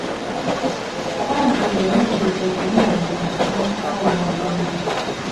Haji bwe yamaliriza okumulamusa n'asituka naagenda.